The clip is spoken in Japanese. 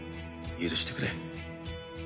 「許してくれ」